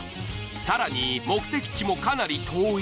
更に目的地もかなり遠い。